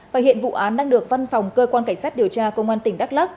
và hiện vụ án đang được văn phòng cơ quan cảnh sát điều tra công an tỉnh đắk lắc